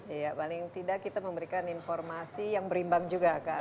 iya paling tidak kita memberikan informasi yang berimbang juga kan